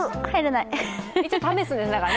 一応試すんだね、だから。